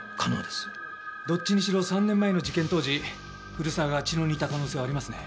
どっちにしろ３年前の事件当時古沢が茅野にいた可能性はありますね。